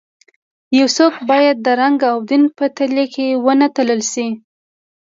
یو څوک باید د رنګ او دین په تلې کې ونه تلل شي.